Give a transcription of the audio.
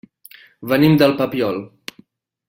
Venim del Papiol.